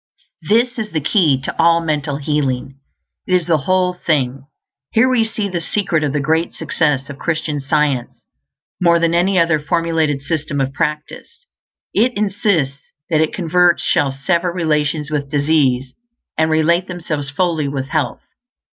This is the KEY to all mental healing; it is the whole thing. Here we see the secret of the great success of Christian Science; more than any other formulated system of practice, it insists that its converts shall sever relations with disease, and relate themselves fully with health.